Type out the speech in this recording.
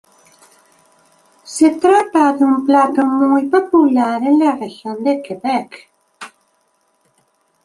Se trata de un plato muy popular en la región de Quebec.